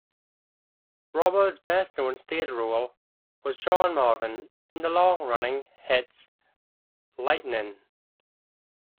Robards' best known stage role was John Marvin in the long-running hit "Lightnin"'.